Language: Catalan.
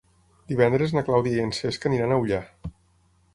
Divendres na Clàudia i en Cesc aniran a Ullà.